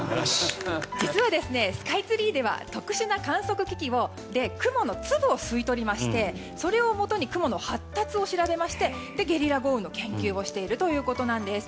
実はスカイツリーでは特殊な観測機器で雲の粒を吸い取りましてそれをもとに雲の発達を調べてゲリラ豪雨の研究をしているということです。